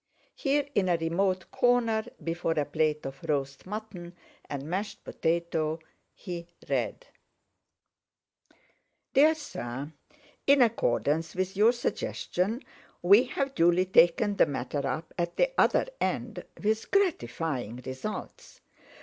Here in a remote corner before a plate of roast mutton and mashed potato, he read: "DEAR SIR, "In accordance with your suggestion we have duly taken the matter up at the other end with gratifying results.